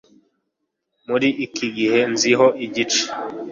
muri iki gihe nzi ho igice